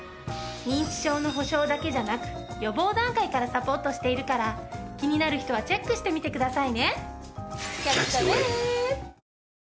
認知症の保障だけじゃなく予防段階からサポートしているから気になる人はチェックしてみてくださいね。